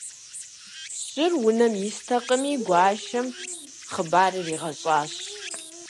Пщыр унэм истэкъыми, гуащэм хъыбар иригъэщӏащ.